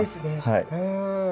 はい。